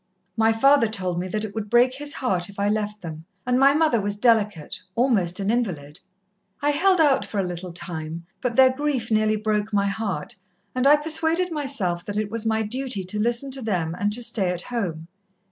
My father told me that it would break his heart if I left them, and my mother was delicate almost an invalid. I held out for a little time, but their grief nearly broke my heart, and I persuaded myself that it was my duty to listen to them, and to stay at home.